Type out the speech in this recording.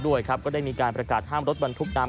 ด้วยครับก็ได้มีการประกาศห้ามรถบรรทุกน้ำ